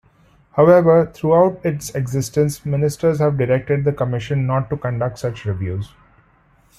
However, throughout its existence, Ministers have directed the Commission not to conduct such reviews.